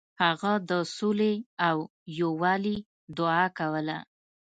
هغه د سولې او یووالي دعا کوله.